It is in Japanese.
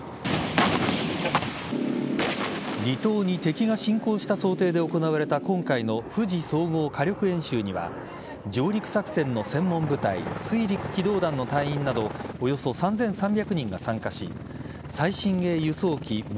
離島に敵が侵攻した想定で行われた今回の富士総合火力演習には上陸作戦の専門部隊水陸機動団の隊員などおよそ３３００人が参加し最新鋭輸送機Ｖ‐２２